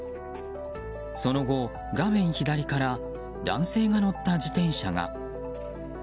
その後、画面左から男性が乗った自転車が。